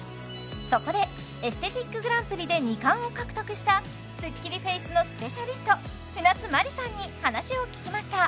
そこでエステティックグランプリで２冠を獲得したスッキリフェイスのスペシャリスト舟津真里さんに話を聞きました